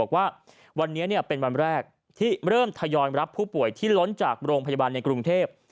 บอกว่าวันนี้เป็นวันแรกที่เริ่มทยอยรับผู้ป่วยที่ล้นจากโรงพยาบาลในกรุงเทพ